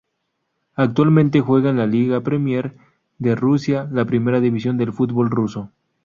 Actualmente juega en la Liga Premier de Rusia, la primera división del fútbol ruso.